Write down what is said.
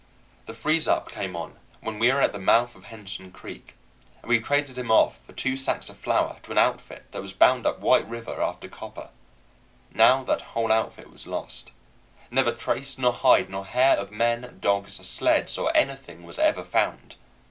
The freeze up came on when we were at the mouth of Henderson Creek, and we traded him off for two sacks of flour to an outfit that was bound up White River after copper. Now that whole outfit was lost. Never trace nor hide nor hair of men, dogs, sleds, or anything was ever found.